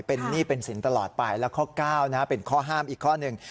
เป็นหนี้เป็นสินตลอดไปแล้วข้อ๙เป็นข้อห้ามอีกข้อหนึ่ง